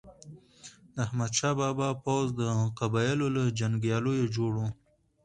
د احمد شاه بابا پوځ د قبایلو له جنګیالیو جوړ و.